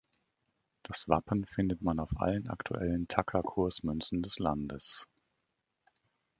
Das Wappen findet man auf allen aktuellen Taka-Kursmünzen des Landes.